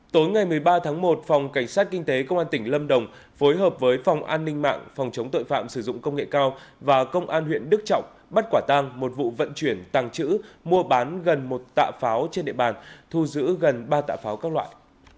tối ngày một mươi ba tháng một phòng cảnh sát kinh tế công an tỉnh lâm đồng phối hợp với phòng an ninh mạng phòng chống tội phạm sử dụng công nghệ cao và công an huyện đức trọng bắt quả tang một vụ vận chuyển tàng trữ mua bán gần một tạ pháo trên địa bàn thu giữ gần ba tạ pháo các loại